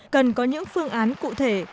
cần có những phương án cụ thể